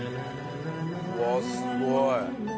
うわっすごい！